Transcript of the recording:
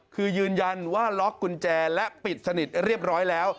คือยืนยันว่าล็อกกุญแจและปิดสนิทเรียบร้อยแล้ว